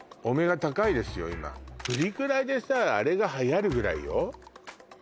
プリクラでさあれがはやるぐらいよ